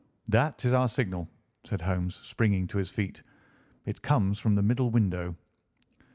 "That is our signal," said Holmes, springing to his feet; "it comes from the middle window."